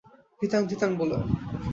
ধিতাং ধিতাং বলে!